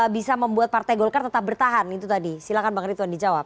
bisa membuat partai golkar tetap bertahan itu tadi silahkan bang rituan dijawab